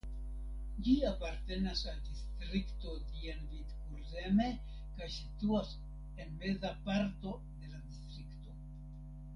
Ĝi apartenas al distrikto Dienvidkurzeme kaj situas en meza parto de la distrikto.